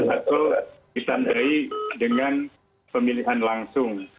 atau ditandai dengan pemilihan langsung